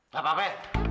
gak apa apa be